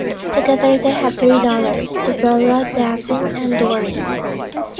Together they had three daughters: Deborah, Daphne, and Doreen.